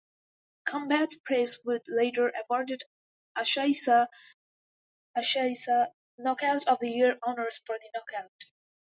Combat Press would later awarded Asahisa "Knockout of the Year" honors for this knockout.